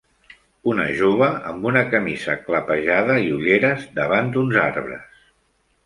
Una jove amb una camisa clapejada i ulleres davant d'uns arbres.